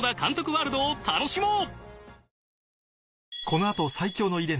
ワールドを楽しもう！